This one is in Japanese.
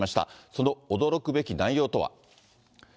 その驚くべき内容とは。